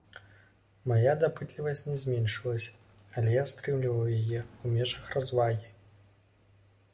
Мая дапытлівасць не зменшылася, але я стрымліваў яе ў межах развагі.